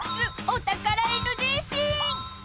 お宝ＮＧシーン！］